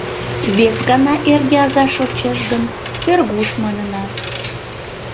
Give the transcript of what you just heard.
Вескана эрге аза шочеш гын, «Сергуш» манына...